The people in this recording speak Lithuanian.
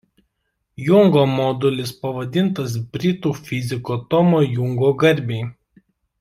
Jungo modulis pavadintas britų fiziko Tomo Jungo garbei.